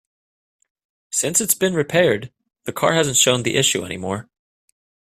Since it's been repaired, the car hasn't shown the issue any more.